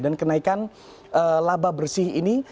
dan kenaikan laba bersih ini